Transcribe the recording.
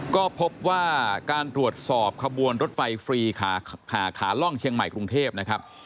ก็พบว่าการตรวจสอบขบวนรถไฟฟรีขาล่องเชียงใหม่กรุงเทพนะครับ